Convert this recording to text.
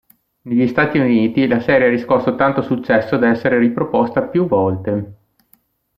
Negli Stati Uniti la serie ha riscosso tanto successo da essere riproposta più volte.